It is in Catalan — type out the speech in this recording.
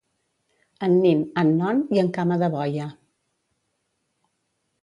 En Nin, en Non i en Cama de boia.